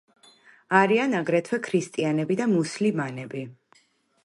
არიან აგრეთვე ქრისტიანები და მუსლიმანები.